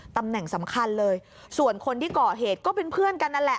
ตำแหน่งสำคัญเลยส่วนคนที่ก่อเหตุก็เป็นเพื่อนกันนั่นแหละ